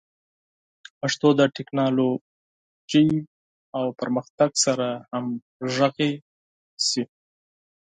پښتو د ټکنالوژۍ او پرمختګ سره همغږي شي.